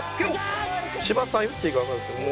芝さん言っていいかわからないですけど。